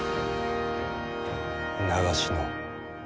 長篠。